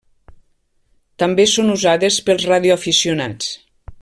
També són usades pels radioaficionats.